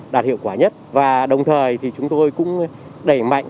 đạt hiệu quả nhất và đồng thời thì chúng tôi cũng đẩy mạnh